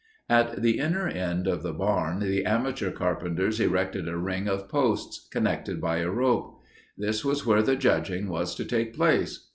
At the inner end of the barn the amateur carpenters erected a ring of posts, connected by a rope. This was where the judging was to take place.